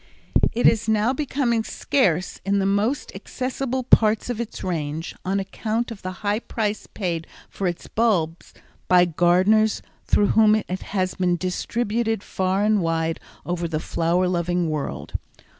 It is now becoming scarce in the most accessible parts of its range on account of the high price paid for its bulbs by gardeners through whom it has been distributed far and wide over the flower loving world.